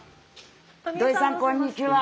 土井さんこんにちは。